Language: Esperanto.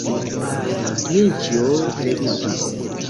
Dmiĉjo leviĝis.